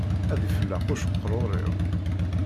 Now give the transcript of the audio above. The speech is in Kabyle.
Ad ifelleq uceqrur-iw